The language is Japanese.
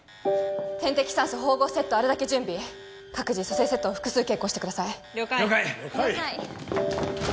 点滴酸素縫合セットをあるだけ準備各自蘇生セットを複数携行してください了解！